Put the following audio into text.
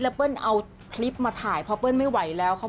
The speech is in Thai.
เปิ้ลเอาคลิปมาถ่ายเพราะเปิ้ลไม่ไหวแล้ว